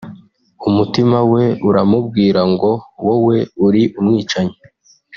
umutima we uramubwira ngo wowe uri umwicanyi